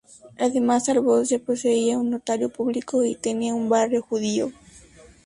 Además Arbós ya poseía un notario público y tenía un barrio judío.